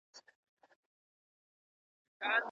سولر سیسټمونه په کلینیکونو کي څنګه کار کوي؟